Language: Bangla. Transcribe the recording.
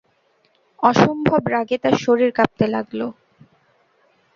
অসম্ভব রাগে তাঁর শরীর কাঁপতে লাগল।